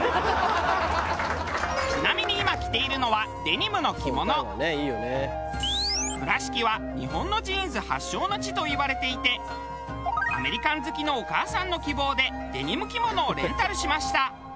ちなみに今着ているのは倉敷は日本のジーンズ発祥の地といわれていてアメリカン好きのお母さんの希望でデニム着物をレンタルしました。